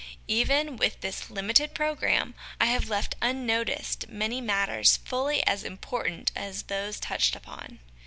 Even with this limited programme, I have left unnoticed many matters fully as important as those touched upon.